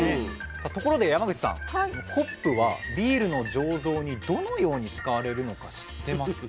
ところで山口さんホップはビールの醸造にどのように使われるのか知ってますか？